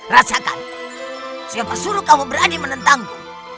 rasakan siapa suruh kamu berani menentangku